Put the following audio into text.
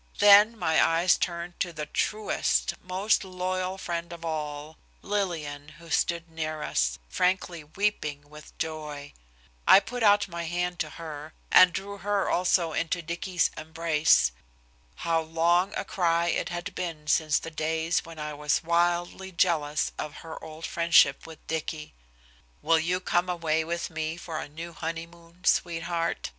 Then my eyes turned to the truest, most loyal friend of all, Lillian, who stood near us, frankly weeping with joy. I put out my hand to her, and drew her also into Dicky's embrace. How long a cry it had been since the days when I was wildly jealous of her old friendship with Dicky! "Will you come away with me for a new honeymoon, sweetheart?"